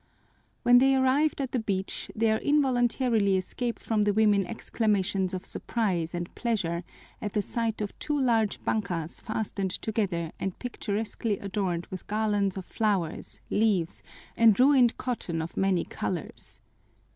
When they arrived at the beach, there involuntarily escaped from the women exclamations of surprise and pleasure at the sight of two large bankas fastened together and picturesquely adorned with garlands of flowers, leaves, and ruined cotton of many colors.